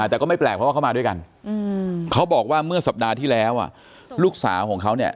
แต่ก็ไม่แปลกเพราะว่าเขามาด้วยกันเขาบอกว่าเมื่อสัปดาห์ที่แล้วลูกสาวของเขาเนี่ย